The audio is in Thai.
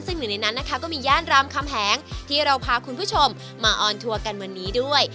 ซึ่งหนึ่งในนั้นนะคะก็มีย่านรามคำแหงที่เราพาคุณผู้ชมมาออนทัวร์กันวันนี้ด้วย